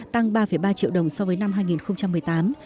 tăng ba ba triệu đồng so với năm hai nghìn một mươi tám